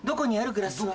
グラスは。